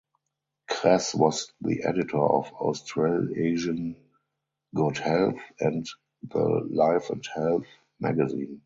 Kress was the editor of "Australasian Good Health" and the "Life and Health" magazine.